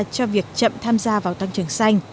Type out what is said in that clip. cho việc chậm tham gia vào tăng trưởng xanh